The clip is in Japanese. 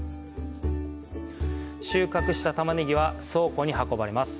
収穫したたまねぎは倉庫に運ばれます。